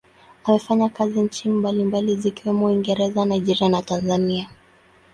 Amefanya kazi nchi mbalimbali zikiwemo Uingereza, Nigeria na Tanzania.